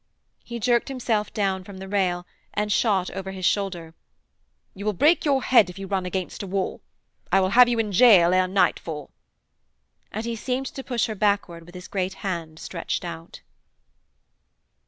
He jerked himself down from the rail and shot over his shoulder: 'You will break your head if you run against a wall; I will have you in gaol ere night fall.' And he seemed to push her backward with his great hand stretched out.